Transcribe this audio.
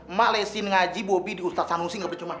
emak lesin ngaji bobi di ustadz sanusi gak percuma